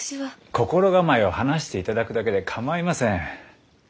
心構えを話していただくだけで構いません。